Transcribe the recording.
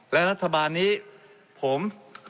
และรัฐบาลนี้ผม